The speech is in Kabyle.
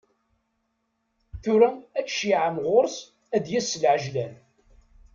Tura ad tceyyɛem ɣur-s ad d-yas s lɛejlan.